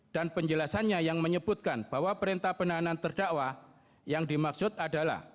dan penjelasannya yang menyebutkan bahwa perintah penahanan terdakwa yang dimaksud adalah